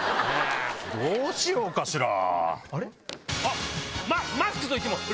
どうしようかしら？